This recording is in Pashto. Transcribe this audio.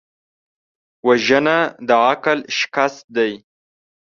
وژنه د عقل شکست دی